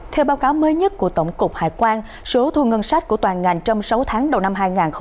theo báo cáo mới nhất của tổng cục hải quan số thu ngân sách của toàn ngành trong sáu tháng đầu năm hai nghìn hai mươi ba